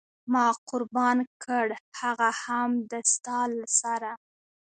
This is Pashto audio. ما قربان کړ هغه هم د ستا له سره.